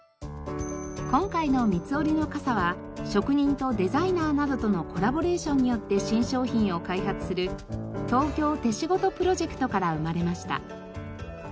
今回の三つ折りの傘は職人とデザイナーなどとのコラボレーションによって新商品を開発する「東京手仕事」プロジェクトから生まれました。